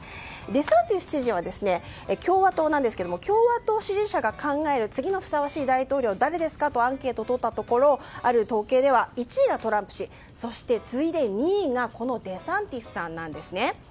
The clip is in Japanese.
デサンティス知事は共和党なんですけれども共和党支持者が考える次にふさわしい大統領は誰ですかとアンケートを取ったところある統計では１位がトランプ氏そして次いで２位がこのデサンティスさんなんです。